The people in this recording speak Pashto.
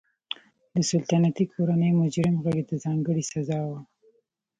د سلطنتي کورنۍ مجرم غړي ته ځانګړې سزا وه.